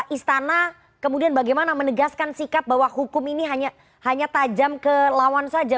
istana kemudian bagaimana menegaskan sikap bahwa hukum ini hanya tajam ke lawan saja